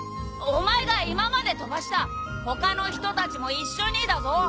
お前が今まで飛ばした他の人たちも一緒にだぞ。